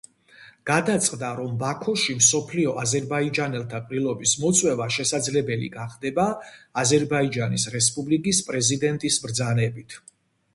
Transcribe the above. გადაწყდა, რომ ბაქოში მსოფლიო აზერბაიჯანელთა ყრილობის მოწვევა შესაძლებელი გახდება აზერბაიჯანის რესპუბლიკის პრეზიდენტის ბრძანებით.